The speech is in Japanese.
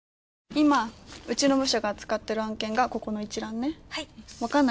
今うちの部署が扱ってる案件がここの一覧ね。